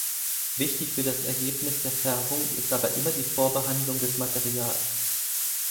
Wichtig für das Ergebnis der Färbung ist aber immer die Vorbehandlung des Materials.